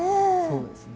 そうですね。